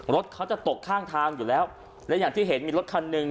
รถเขาจะตกข้างทางอยู่แล้วและอย่างที่เห็นมีรถคันหนึ่ง